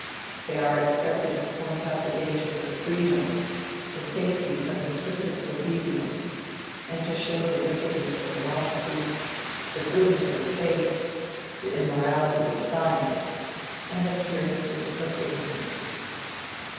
They are expected to point out the dangers of freedom, the safety of implicit obedience, and to show the wickedness of philosophy, the goodness of faith, the immorality of science and the purity of ignorance.